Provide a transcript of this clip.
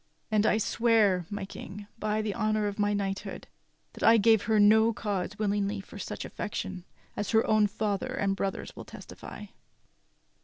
And I swear, my King, by the honor of my knighthood, that I gave her no cause willingly for such affection, as her own father and brothers will testify."